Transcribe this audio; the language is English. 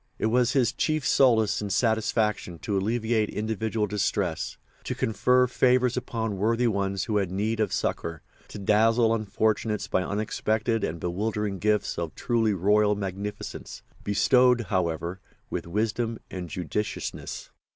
It was his chief solace and satisfaction to alleviate individual distress, to confer favours upon worthy ones who had need of succour, to dazzle unfortunates by unexpected and bewildering gifts of truly royal magnificence, bestowed, however, with wisdom and judiciousness.